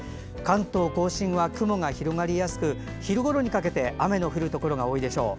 関東・甲信は雲が広がりやすく昼ごろにかけて雨の降るところが多いでしょう。